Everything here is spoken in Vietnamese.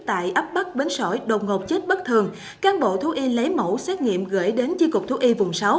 tại ấp bắc bến sỏi đột ngột chết bất thường cán bộ thú y lấy mẫu xét nghiệm gửi đến chi cục thú y vùng sáu